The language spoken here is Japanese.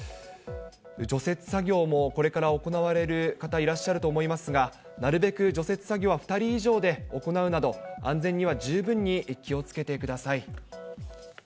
除雪作業もこれから行われる方いらっしゃると思いますが、なるべく除雪作業は２人以上で行うなど、安全には十分に気をつけてください。